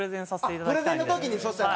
プレゼンの時にそしたら。